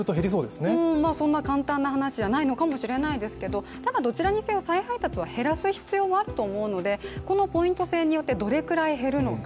そんな簡単な話じゃないのかもしれないですけどただ、どちらにせよ、再配達は減らす必要はあると思うので、このポイント制によってどれくらい減るのか。